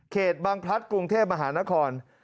บางพลัดกรุงเทพมหานคร